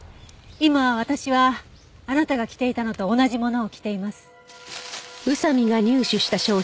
今私はあなたが着ていたのと同じものを着ています。